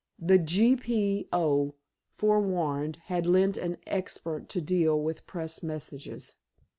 The G. P. O., forewarned, had lent an expert to deal with press messages.